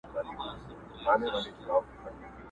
مېلمانه د دوکاندار پر دسترخوان وه!!